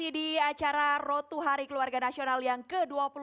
masih di acara roto hari keluarga nasional yang ke dua puluh tujuh